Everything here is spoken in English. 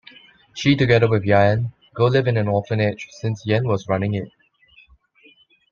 She together with Yan, go live in an orphanage since Yan was running it.